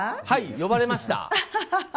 はい、呼ばれました。